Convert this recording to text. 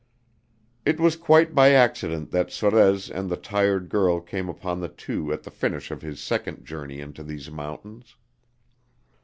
It was quite by accident that Sorez and the tired girl came upon the two at the finish of his second journey into these mountains.